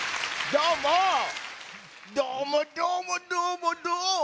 どーもどーもどーもどーも！